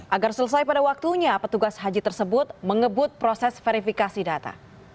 agar selesai pada waktunya petugas haji tersebut mengebut proses verifikasi data